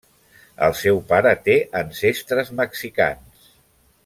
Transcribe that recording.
El seu pare té ancestres mexicans.